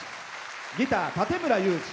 ギター、館村雄二。